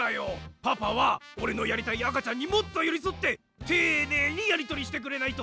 パパはおれのやりたいあかちゃんにもっとよりそってていねいにやりとりしてくれないと！